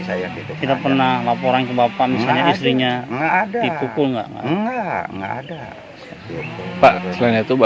saya gitu kita pernah laporan ke bapak misalnya istrinya dipukul enggak enggak enggak ada pak selain itu